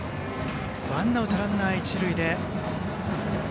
ワンアウトランナー、一塁で。